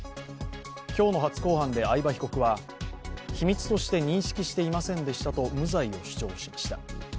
今日の初公判で合場被告は秘密として認識していませんでしたと無罪を主張しました。